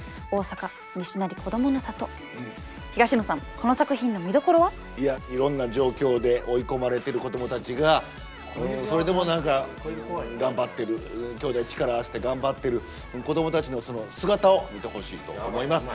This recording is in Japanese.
この作品の見どころは？いやいろんな状況で追い込まれてる子どもたちがそれでも何か頑張ってるきょうだい力合わせて頑張ってる子どもたちのその姿を見てほしいと思います。